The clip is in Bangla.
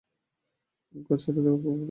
কাজ ছেড়ে দেওয়া কী খুব মজা নাকি?